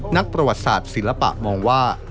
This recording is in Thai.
นักประวัติศาสตร์ศิลปะมองว่า